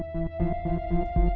saya mau kembali ke rumah